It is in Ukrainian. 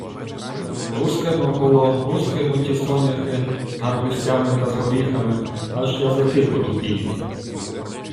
Лускаємо було, лускаємо ті соняхи з гарбузцями та з горіхами, аж язики подубіють.